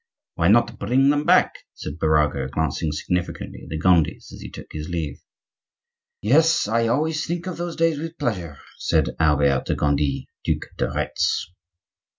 "Why not bring them back?" said Birago, glancing significantly at the Gondis as he took his leave. "Yes, I always think of those days with pleasure," said Albert de Gondi, Duc de Retz.